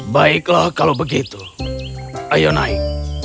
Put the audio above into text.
baiklah kalau begitu ayo naik